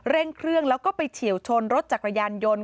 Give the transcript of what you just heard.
เร่งเครื่องแล้วก็ไปเฉียวชนรถจักรยานยนต์